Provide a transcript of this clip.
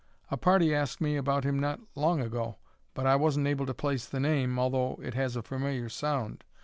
A party asked me about him not long ago, but I wasn't able to place the name, although it has a familiar sound.